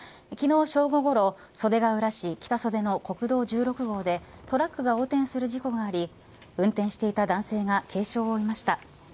昨日正午ごろ袖ケ浦市北袖の国道１６号でトラックが横転する事故があり運転していた男性が軽傷を負いました。